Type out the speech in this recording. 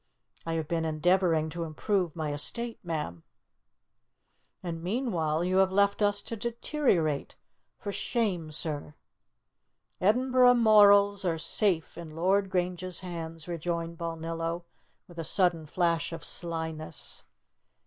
"I have been endeavouring to improve my estate, ma'am." "And meanwhile you have left us to deteriorate. For shame, sir!" "Edinburgh morals are safe in Lord Grange's hands," rejoined Balnillo, with a sudden flash of slyness.